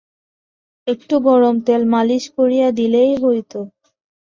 একটু গরম তেল মালিশ করিয়া দিলেই হইত।